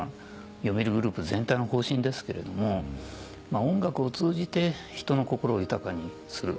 読売グループ全体の方針ですけれども音楽を通じて人の心を豊かにする。